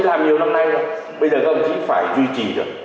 bây giờ các ông chí phải duy trì được